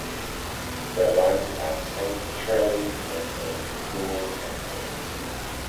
The vans are centrally maintained, fueled, and cleaned.